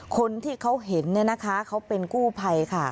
คนที่เขาเห็นเนี่ยนะคะเขาเป็นกู้ภัยค่ะ